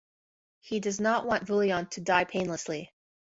He does not want Vullion to die painlessly.